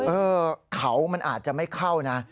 เออเขามันอาจจะไม่เข้านะ